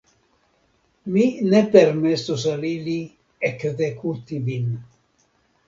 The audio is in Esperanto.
Mi ne permesos al ili ekzekuti vin.